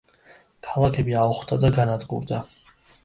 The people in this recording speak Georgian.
ქალაქები აოხრდა და განადგურდა.